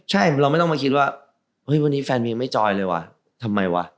ใช่เราไม่ต้องมาคิดว่าเฮ้ยวันนี้แฟนเมียไม่จอยเลยว่ะทำไมวะ